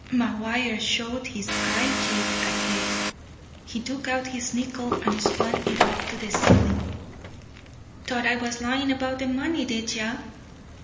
McGuire showed his eyeteeth at it. He took out his nickel and spun it up to the ceiling. "T'ought I was lyin' about the money, did ye?